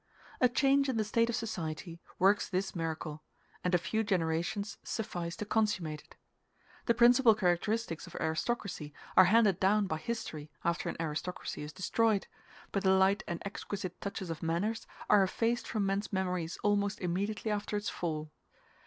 A change in the state of society works this miracle, and a few generations suffice to consummate it. The principal characteristics of aristocracy are handed down by history after an aristocracy is destroyed, but the light and exquisite touches of manners are effaced from men's memories almost immediately after its fall.